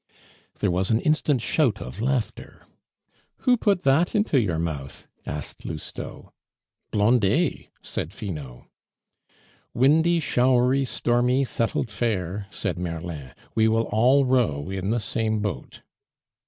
There was an instant shout of laughter. "Who put that into your mouth?" asked Lousteau. "Blondet!" said Finot. "Windy, showery, stormy, settled fair," said Merlin; "we will all row in the same boat."